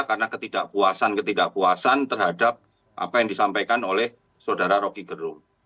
karena ketidakpuasan ketidakpuasan terhadap apa yang disampaikan oleh saudara roky gerung